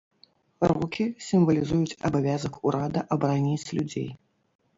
Рукі сімвалізуюць абавязак урада абараніць людзей.